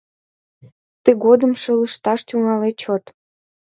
Тыгодым шелышташ тӱҥале чот.